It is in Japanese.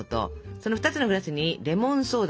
その２つのグラスにレモンソーダ